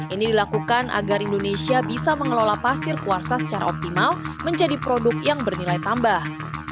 ini dilakukan agar indonesia bisa mengelola pasir kuarsa secara optimal menjadi produk yang bernilai tambah